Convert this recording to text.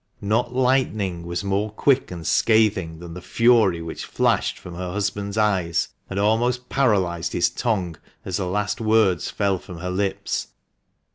Not lightning was more quick and scathing than the fury which flashed from her husband's eyes and almost paralysed his tongue as the last words fell from her lips.